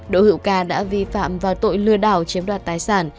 đỗ hữu ca đã vi phạm vào tội lừa đảo chiếm đoạt tài sản